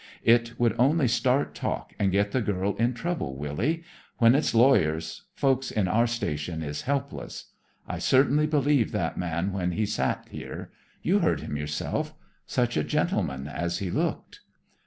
"It would only start talk and get the girl in trouble, Willy. When it's lawyers, folks in our station is helpless. I certainly believed that man when he sat here; you heard him yourself. Such a gentleman as he looked."